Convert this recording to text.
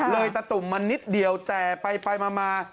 ตะตุ่มมานิดเดียวแต่ไปมา